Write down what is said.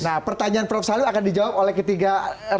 nah pertanyaan prof salim akan dijawab oleh ketiga